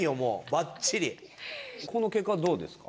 この結果はどうですか？